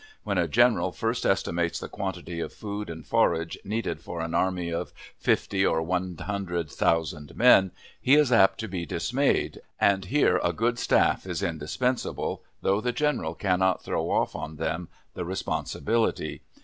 When a general first estimates the quantity of food and forage needed for an army of fifty or one hundred thousand men, he is apt to be dismayed, and here a good staff is indispensable, though the general cannot throw off on them the responsibility.